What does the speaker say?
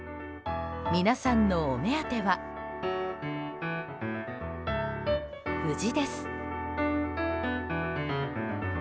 皆さんのお目当ては藤です。